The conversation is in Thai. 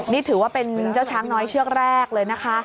นี่ถือว่าเป็นเจ้าช้างน้อยเชือกแรกเลยนะคะ